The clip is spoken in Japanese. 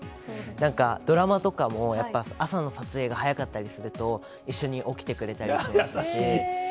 なんかドラマとかも、やっぱ朝の撮影が早かったりすると、一緒に起きてくれたりとかす優しい。